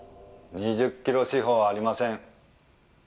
２０キロ四方はありません。